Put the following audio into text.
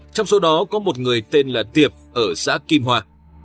trong số đó có một người tên là tiệp ở xã kim hoa